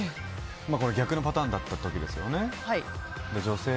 逆のパターンだった時ですよね。